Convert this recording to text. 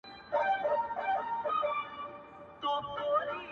زما له لاسه تر سږمو چي كلى كور سو،